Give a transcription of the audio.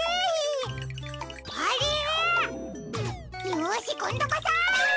よしこんどこそ！